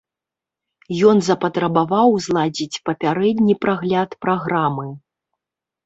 Ён запатрабаваў зладзіць папярэдні прагляд праграмы.